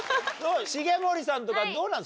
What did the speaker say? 重盛さんとかどうなの？